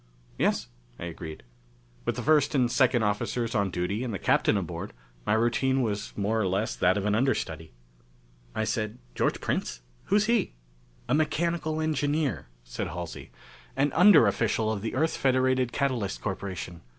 "Yes," I agreed. With the first and second officers on duty, and the Captain aboard, my routine was more or less that of an understudy. I said, "George Prince? Who is he?" "A mechanical engineer," said Halsey. "An underofficial of the Earth Federated Catalyst Corporation.